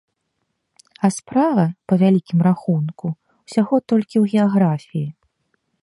А справа, па вялікім рахунку, усяго толькі ў геаграфіі.